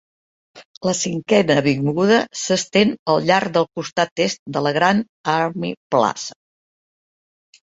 La Cinquena Avinguda s"estén al llarg del costat est de la Grand Army Plaza.